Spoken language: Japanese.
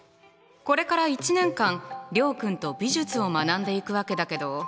これから１年間諒君と美術を学んでいくわけだけど。